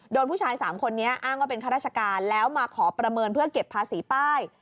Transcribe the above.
ผู้ชาย๓คนนี้อ้างว่าเป็นข้าราชการแล้วมาขอประเมินเพื่อเก็บภาษีป้าย